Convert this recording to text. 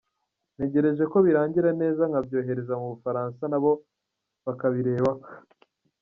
Ntegereje ko birangira neza nkabyohereza mu Bufaransa na bo bakabirebaho.